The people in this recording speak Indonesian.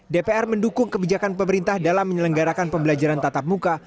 dpr mendukung kebijakan pemerintah dalam menyelenggarakan pembelajaran tatap muka